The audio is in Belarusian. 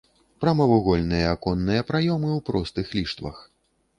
Прамавугольныя аконныя праёмы ў простых ліштвах.